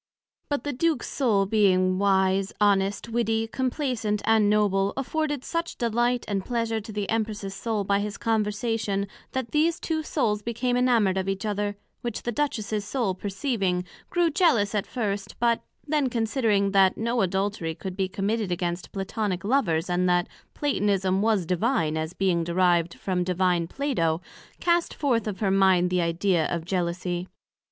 But the Duke's Soul being wise, honest, witty, complaisant and noble, afforded such delight and pleasure to the Empress's Soul by his conversation, that these two souls became enamoured of each other; which the Duchess's soul perceiving, grew jealous at first, but then considering that no Adultery could be committed amongst Platonick Lovers, and that Platonism, was Divine, as being derived from Divine Plato, cast forth of her mind that Idea of Jealousie.